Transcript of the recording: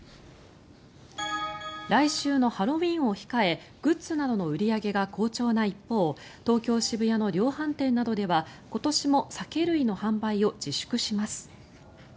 来週のハロウィーンを控えグッズなどの売り上げが好調な一方東京・渋谷の量販店などでは今年も酒類の販売を自粛します。